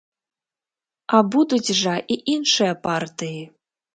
А будуць жа і іншыя партыі.